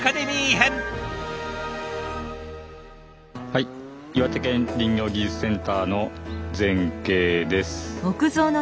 はい岩手県林業技術センターの全景です。